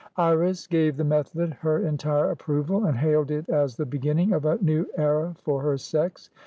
Iris gave the method her entire approval, and hailed it as the beginning of a new era for her sex.